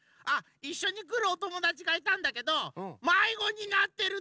いっしょにくるおともだちがいたんだけどまいごになってるって！